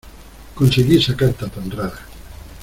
Conseguí esa carta tan rara.